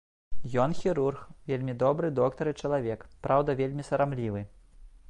Ён хірург, вельмі добры доктар і чалавек, праўда вельмі сарамлівы.